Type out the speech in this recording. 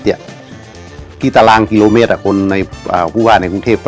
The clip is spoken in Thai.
แกจะบรรทาระศิลป์ได้หรือว่าได้เนี่ย